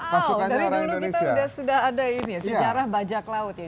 wow dari dulu kita sudah ada ini ya sejarah bajak laut ya